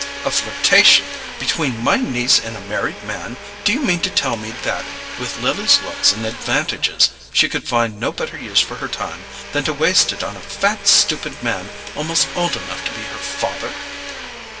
"A flirtation? Between my niece and a married man? Do you mean to tell me that, with Lily's looks and advantages, she could find no better use for her time than to waste it on a fat stupid man almost old enough to be her father?"